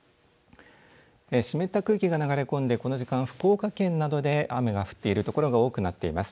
湿った空気が流れ込んでこの時間、福岡県などで雨が降っている所が多くなっています。